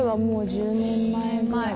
１０年前！